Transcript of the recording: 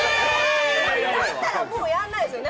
だったらもうやんないですよね